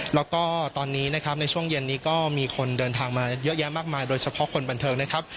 แล้วก็ตอนนี้นะครับในช่วงเย็นนี้ก็มีคนเดินทางมาเยอะแยะมากมายโดยเฉพาะคนบันเทิงนะครับ